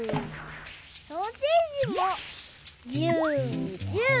ソーセージもジュージュー。